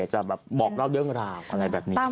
จะแบบบอกเล่าเรื่องราวอะไรแบบนี้